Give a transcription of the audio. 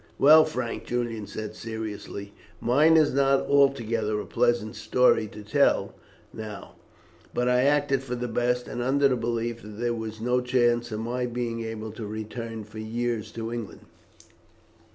"Well, Frank," Julian said seriously, "mine is not altogether a pleasant story to tell now; but I acted for the best, and under the belief that there was no chance of my being able to return for years to England.